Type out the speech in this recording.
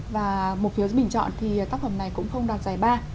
và một phiếu bình chọn thì tác phẩm này cũng không đạt giải ba